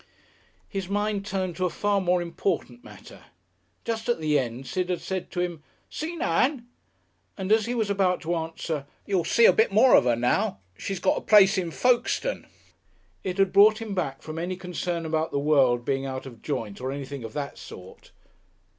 His mind turned to a far more important matter. Just at the end Sid had said to him, "Seen Ann?" and as he was about to answer, "You'll see a bit more of her now. She's got a place in Folkestone." It had brought him back from any concern about the world being out of joint or anything of that sort.